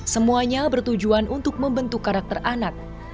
semuanya bertujuan untuk membentuk karakter anak